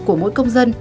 của mỗi công dân